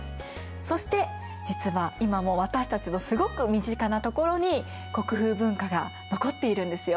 そして実は今も私たちのすごく身近なところに国風文化が残っているんですよ。